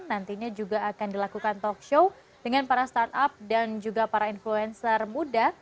nantinya juga akan dilakukan talk show dengan para startup dan juga para influencer muda